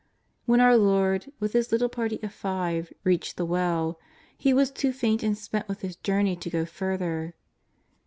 When our Lord, with His little party of five, reached the well He was too faint and spent with His journey to go further.